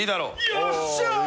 よっしゃ！